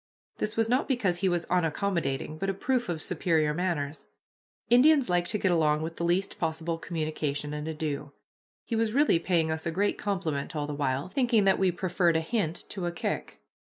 This was not because he was unaccommodating, but a proof of superior manners. Indians like to get along with the least possible communication and ado. He was really paying us a great compliment all the while, thinking that we preferred a hint to a kick.